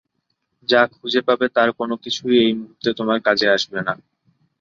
যা খুঁজে পাবে, তার কোনোকিছুই এই মুহূর্তে তোমার কাজে আসবে না।